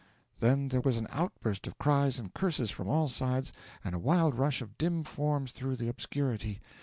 Then there was an outburst of cries and curses from all sides, and a wild rush of dim forms through the obscurity.